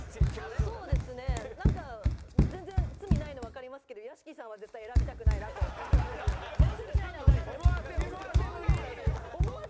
そうですねなんか全然罪ないのわかりますけど屋敷さんは幸そんなんはやめよう。